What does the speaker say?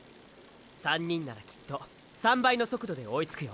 ３人ならきっと３倍の速度で追いつくよ。